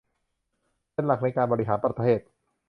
เป็นหลักในการบริหารประเทศ